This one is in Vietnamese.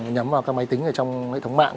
nhắm vào các máy tính trong hệ thống mạng